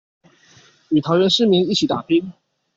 與桃園市民一起打拼